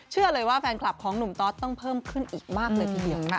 เชื่อเลยว่าแฟนคลับของหนุ่มตอสต้องเพิ่มขึ้นอีกมากเลยทีเดียวค่ะ